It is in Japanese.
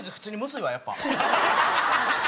すいません。